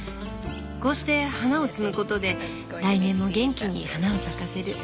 こうして花を摘むことで来年も元気に花を咲かせる。